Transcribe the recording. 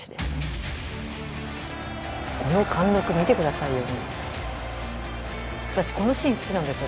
この貫禄見てくださいよ。